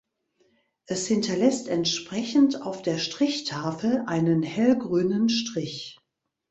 Es hinterlässt entsprechend auf der Strichtafel einen hellgrünen Strich.